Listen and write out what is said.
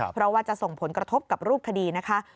เพราะว่าจะส่งผลกระทบกับรูปคดีนะคะ